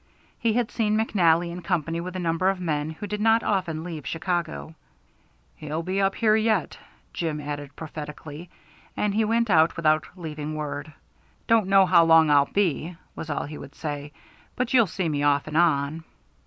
He had seen McNally in company with a number of men who did not often leave Chicago. "He'll be up here, yet," Jim added prophetically; and he went out without leaving word. "Don't know how long I'll be gone," was all he would say; "but you'll see me off and on."